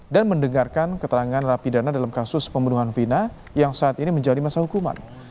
dan mendengarkan keterangan rapi dana dalam kasus pembunuhan vina yang saat ini menjadi masa hukuman